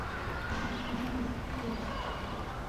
گوانہ مو مُشکل یود